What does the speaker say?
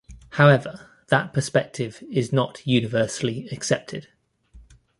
However, that perspective is not universally accepted.